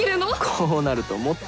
こうなると思った。